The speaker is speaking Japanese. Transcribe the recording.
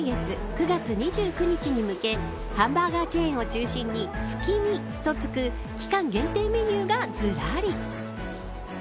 ９月２９日に向けハンバーガーチェーンを中心に月見、とつく期間限定メニューがずらり。